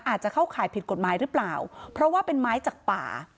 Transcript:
เข้าข่ายผิดกฎหมายหรือเปล่าเพราะว่าเป็นไม้จากป่า